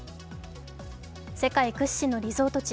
世界屈指のリゾート地